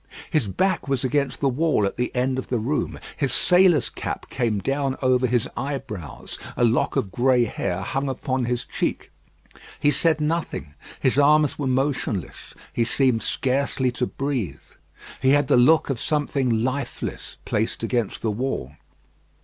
His back was against the wall at the end of the room. His sailor's cap came down over his eyebrows. A lock of grey hair hung upon his cheek. He said nothing. His arms were motionless; he seemed scarcely to breathe. He had the look of something lifeless placed against the wall.